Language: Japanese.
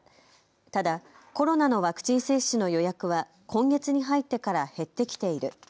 ただ、コロナのワクチン接種の予約は今月に入ってから減ってきている。